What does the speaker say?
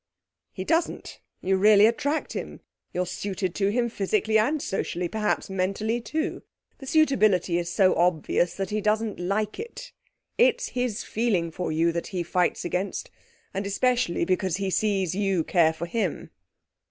'He doesn't. You really attract him; you're suited to him physically and socially, perhaps mentally too. The suitability is so obvious that he doesn't like it. It's his feeling for you that he fights against, and especially because he sees you care for him.'